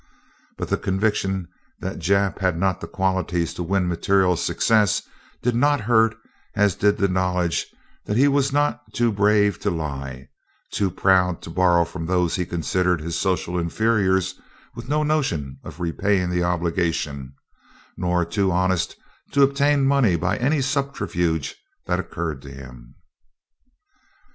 But the conviction that Jap had not the qualities to win material success did not hurt as did the knowledge that he was not too brave to lie, too proud to borrow from those he considered his social inferiors and with no notion of repaying the obligation, nor too honest to obtain money by any subterfuge that occurred to him.